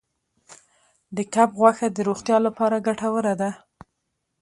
د کب غوښه د روغتیا لپاره ګټوره ده.